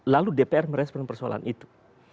lalu dpr merespon persoalan itu